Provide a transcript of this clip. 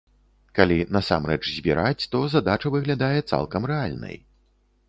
Калі насамрэч збіраць, то задача выглядае цалкам рэальнай.